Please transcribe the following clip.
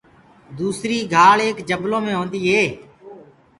دُسري گھآݪ ایک جبلو مي هوندي هي۔